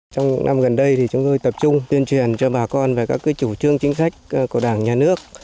trong những năm gần đây chúng tôi tập trung tuyên truyền cho bà con về các chủ trương chính sách của đảng nhà nước